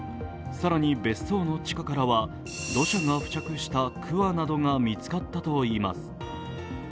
更に別荘の地下からは土砂が付着したくわなどが見つかったといいます。